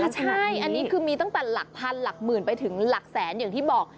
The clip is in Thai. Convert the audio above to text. ใช่อันนี้คือมีตั้งแต่หลักพันหลักหมื่นไปถึงหลักแสนอย่างที่บอก